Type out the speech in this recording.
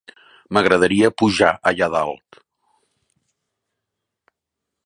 M'agradaria pujar allà dalt!